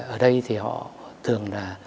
ở đây thì họ thường là